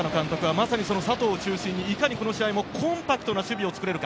片野監督はまさに佐藤を中心にいかにこの試合もコンパクトな守備を作れるか？